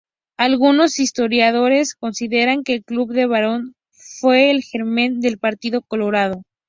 Algunos historiadores consideran que el Club del Barón fue el germen del Partido Colorado.